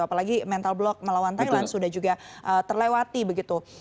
apalagi mental block melawan thailand sudah juga terlewati begitu